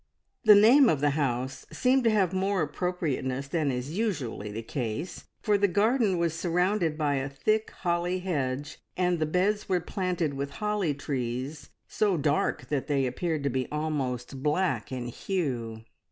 The name of the house seemed to have more appropriateness than is usually the case, for the garden was surrounded by a thick holly hedge, and the beds were planted with holly trees so dark that they appeared to be almost black in hue.